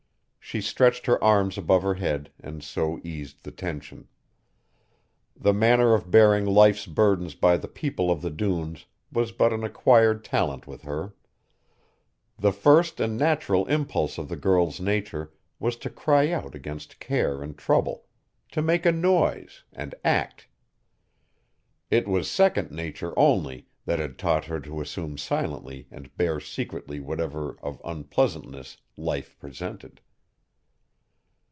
She stretched her arms above her head and so eased the tension. The manner of bearing life's burdens by the people of the dunes was but an acquired talent with her. The first and natural impulse of the girl's nature was to cry out against care and trouble, to make a noise, and act! It was second nature only that had taught her to assume silently and bear secretly whatever of unpleasantness life presented.